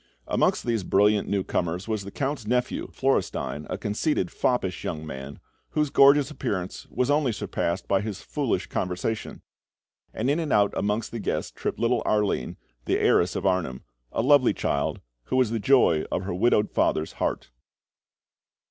Amongst these brilliant newcomers was the Count's nephew, Florestein, a conceited, foppish young man, whose gorgeous appearance was only surpassed by his foolish conversation; and in and out amongst the guests tripped little Arline, the heiress of Arnheim a lovely child, who was the joy of her widowed father's heart.